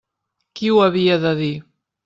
Qui ho havia de dir!